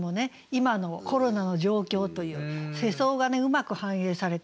今のコロナの状況という世相がねうまく反映されてますよね。